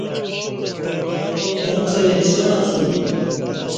اُݩڅ اہ انسان اسوم